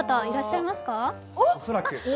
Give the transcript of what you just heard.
恐らく。